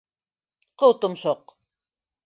Ҡыутомшоҡ!